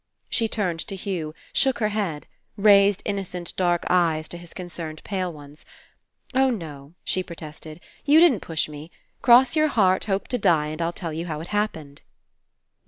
She turned to Hugh. Shook her head. Raised innocent dark eyes to his concerned pale ones. "Oh, no," she protested, "you didn't push 172 FINALE me. Cross your heart, hope to die, and I'll tell you how it happened."